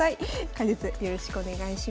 解説よろしくお願いします。